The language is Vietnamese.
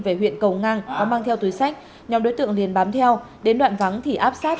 về huyện cầu ngang có mang theo túi sách nhóm đối tượng liền bám theo đến đoạn vắng thì áp sát